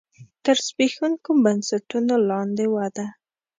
تر زبېښونکو بنسټونو لاندې وده.